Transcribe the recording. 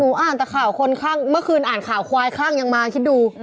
หนูอ่านแต่ข่าวคนข้างเมื่อคืนอ่านข่าวควายข้างยังมาคิดดู